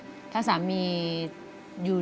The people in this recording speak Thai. เหมือนว่าถ้าเราควบคุมไม่อยู่อะ